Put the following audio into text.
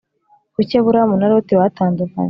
Kuki aburahamu na loti batandukanye